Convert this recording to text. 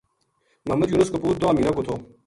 محمد یونس کو پُوت دوہاں مہینہ کو تھو